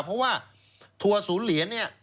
เพราะว่าตัวศูเลียเนี่ย